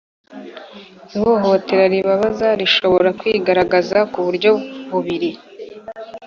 Ihohoterera ribabaza rishobora kwigaragaza ku buryo bubiri.